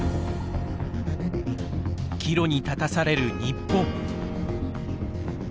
岐路に立たされる日本。